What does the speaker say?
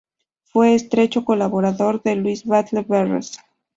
Fue estrecho colaborador de Luis Batlle Berres.